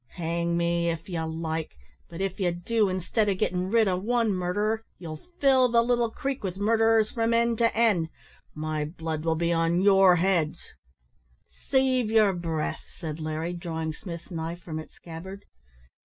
Hang me if you like, but if ye do, instead o' gittin' rid o' one murderer, ye'll fill the Little Creek with murderers from end to end. My blood will be on your heads." "Save yer breath," said Larry, drawing Smith's knife from its scabbard.